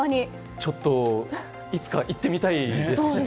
ちょっと、いつか行ってみたいですよね。